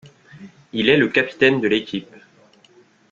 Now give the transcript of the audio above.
Il est le capitaine de l'équipe.